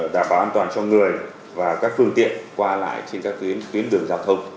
đảm bảo an toàn cho người và các phương tiện qua lại trên các tuyến đường giao thông